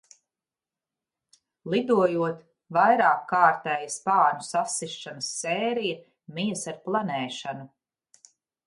Lidojot vairākkārtēja spārnu sasišanas sērija mijas ar planēšanu.